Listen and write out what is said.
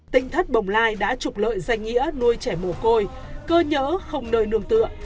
tinh thất bồng lai đã trục lợi danh nghĩa nuôi trẻ mồ côi cơ nhỡ không nơi nương tựa